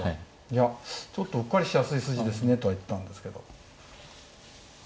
いやちょっとうっかりしやすい筋ですねとは言ったんですけど。